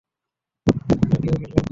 আপনাকেও, হ্যালো।